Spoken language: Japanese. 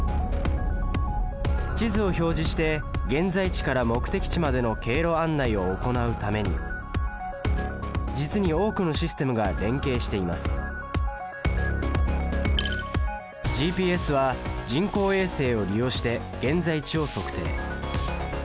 地図を表示して現在地から目的地までの経路案内を行うために実に多くのシステムが連携していますＧＰＳは人工衛星を利用して現在地を測定。